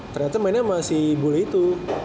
ternyata mainnya masih bully itu